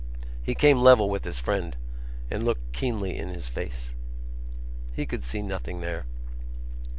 He came level with his friend and looked keenly in his face. He could see nothing there.